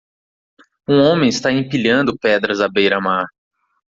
Um homem está empilhando pedras à beira-mar.